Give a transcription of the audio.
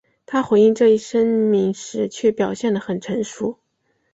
他回应这一声明时却表现得很成熟。